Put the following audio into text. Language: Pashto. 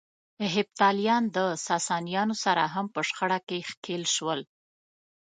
هېپتاليان د ساسانيانو سره هم په شخړه کې ښکېل شول.